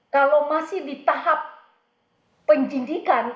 kalau masih di tahap penyidikan